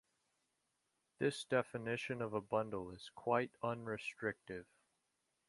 This definition of a bundle is quite unrestrictive.